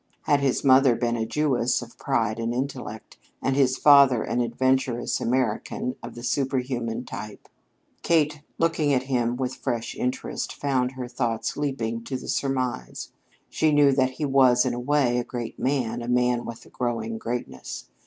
Had his mother been a Jewess of pride and intellect, and his father an adventurous American of the superman type? Kate, looking at him with fresh interest, found her thoughts leaping to the surmise. She knew that he was, in a way, a great man a man with a growing greatness.